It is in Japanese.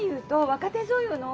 若手女優の？